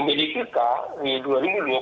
masalah jakarta itu drop